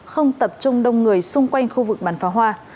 không tập trung đông người xung quanh khu vực bắn phá hoa